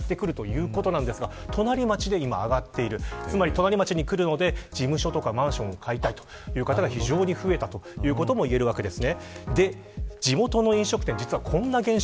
隣町に来るので、事務所やマンションを買いたいという方が非常に増えたということもいえます。